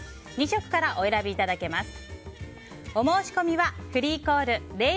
２色からお選びいただけます。